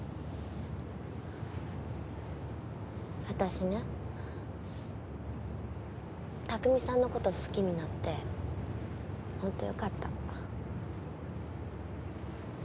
私ね拓海さんのこと好きになってホントよかった。